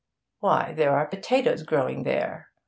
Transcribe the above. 'Why, there are potatoes growing there.